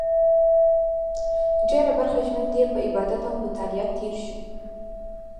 ډېره برخه ژوند یې په عبادت او مطالعه تېر شو.